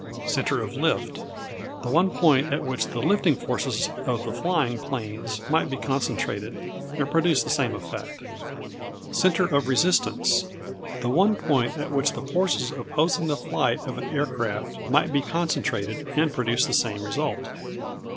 Centre of Lift The one point at which the lifting forces of the flying planes might be concentrated, and produce the same effect. Centre of Resistance The one point at which the forces opposing the flight of an air craft might be concentrated, and produce the same result.